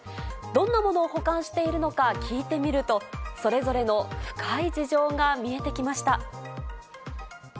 どんなものを保管しているのか聞いてみると、それぞれの深い事情が見えてきました。